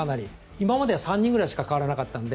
今までは３人くらいしか代わらなかったので。